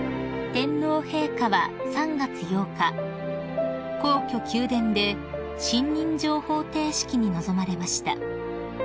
［天皇陛下は３月８日皇居宮殿で信任状捧呈式に臨まれました］